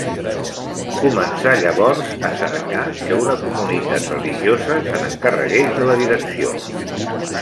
Començà llavors a cercar que una comunitat religiosa se n'encarregués de la direcció.